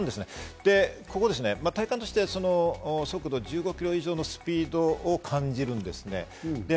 ここ体感ですね、速度１５キロのスピードを感じるんですね。